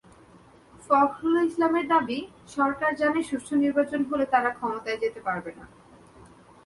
ফখরুল ইসলামের দাবি, সরকার জানে সুষ্ঠু নির্বাচন হলে তারা ক্ষমতায় যেতে পারবে না।